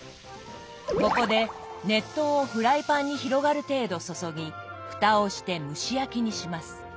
ここで熱湯をフライパンに広がる程度注ぎふたをして蒸し焼きにします。